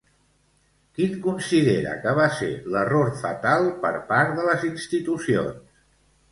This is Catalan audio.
Quin considera que va ser l'error fatal per part de les institucions?